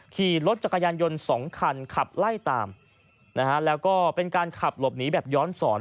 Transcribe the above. ขี่รถจักรยานยนต์สองคันขับไล่ตามนะฮะแล้วก็เป็นการขับหลบหนีแบบย้อนสอน